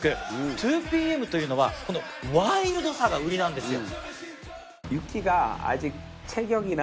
２ＰＭというのはワイルドさが売りなんですよ。